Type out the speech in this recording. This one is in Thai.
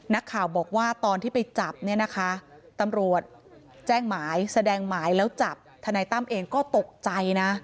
นักข่าวบอกว่าตอนที่ไปจับเนี่ยนะคะตำรวจแจ้งหมายแสดงหมายแล้วจับทนายตั้มเองก็ตกใจนะ